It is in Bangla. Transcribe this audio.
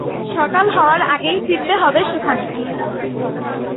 সকাল হওয়ার আগেই ফিরতে হবে সেখানে।